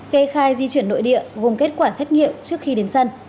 kê khai di chuyển nội địa vùng kết quả xét nghiệm trước khi đến sân